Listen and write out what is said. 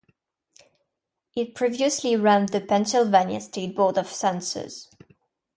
It previously ran the Pennsylvania State Board of Censors.